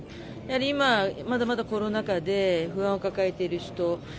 今、まだまだコロナ禍で不安を抱えている人